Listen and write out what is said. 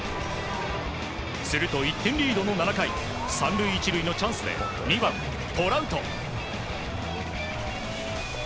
すると、１点リードの７回３塁１塁のチャンスで２番、トラウト。